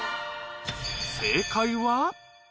正解は。